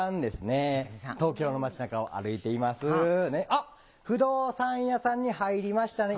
あっ不動産屋さんに入りましたね。